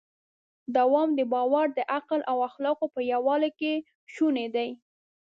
دوام د باور، عقل او اخلاقو په یووالي کې شونی دی.